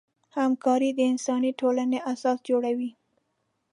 همکاري د انساني ټولنې اساس جوړوي.